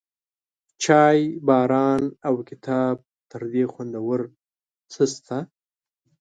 چای، باران، او کتاب، تر دې خوندور څه شته؟